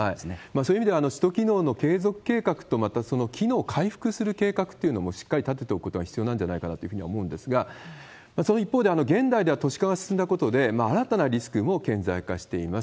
そういう意味では、首都機能の継続計画と、またその機能回復する計画というのもしっかり立てておくことが必要なんじゃないかなというふうには思うんですが、その一方で、現代では都市化が進んだことで、新たなリスクも顕在化しています。